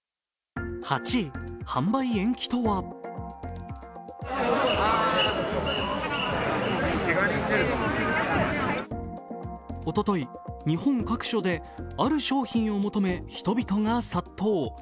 ８位、販売延期とはおととい、日本各所で、ある商品を求め人々が殺到。